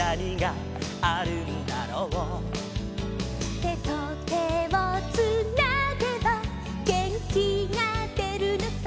「てとてをつなげばげんきがでるのさ」